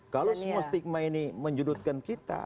kalau semua stigma ini menjudutkan kita